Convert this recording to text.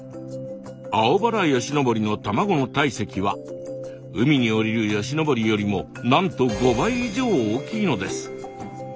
アオバラヨシノボリの卵の体積は海に下りるヨシノボリよりもなんと５倍以上大きいのです。